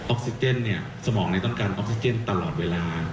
ออกซิเจนเนี่ยสมองเนี่ยต้องการออกซิเจนตลอดเวลา